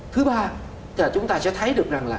thứ ba là chúng ta sẽ thấy được rằng là